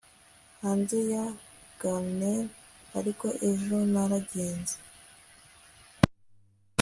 hanze ya garner; ariko ejo naragenze